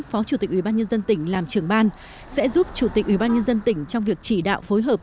phó chủ tịch ubnd tỉnh làm trưởng ban sẽ giúp chủ tịch ubnd tỉnh trong việc chỉ đạo phối hợp